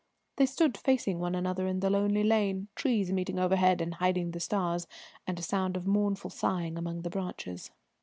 They stood facing one another in the lonely lane, trees meeting overhead and hiding the stars, and a sound of mournful sighing among the branches.